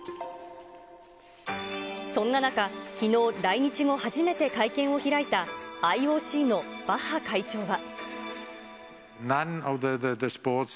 そんな中、きのう来日後初めて会見を開いたＩＯＣのバッハ会長は。